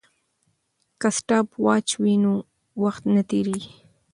که سټاپ واچ وي نو وخت نه تېریږي.